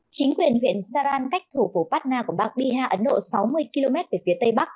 chính quyền huyện saran cách thủ phố patna của bang biha ấn độ sáu mươi km về phía tây bắc